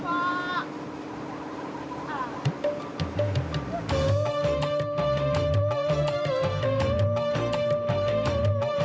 oke deh pak